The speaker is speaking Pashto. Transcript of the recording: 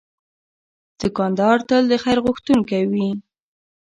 دوکاندار تل د خیر غوښتونکی وي.